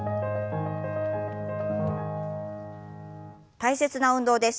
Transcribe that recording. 大切な運動です。